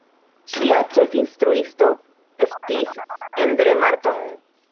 Ŝia ĉefinstruisto estis Endre Marton.